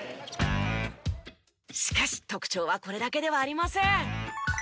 しかし特徴はこれだけではありません。